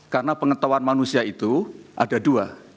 karena pengetahuan manusia itu ada dua